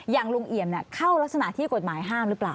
อย่างลุงเอี่ยมเข้ารักษณะที่กฎหมายห้ามหรือเปล่า